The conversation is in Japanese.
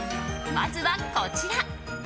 まずは、こちら。